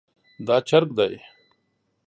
دا چرګ دی